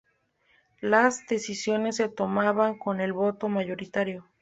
Las decisiones se tomaban con el voto mayoritario.